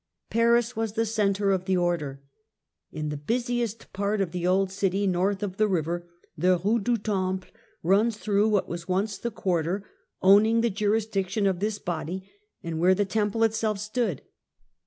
Paris was the centre of the Order. In the busiest part of the old city, north of the river, the Kue du Temple runs through what was once the quarter owning the jurisdiction of this body, and where the Temple itself stood.